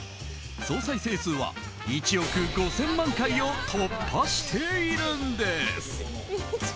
総再生数は１億５０００万回を突破しているんです。